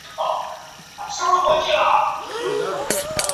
二十九年驻扎御前前军统制兼主管中军军马。